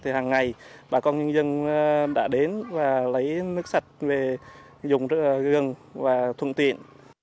thì hằng ngày bà con nhân dân đã đến và lấy nước sạch về dùng gần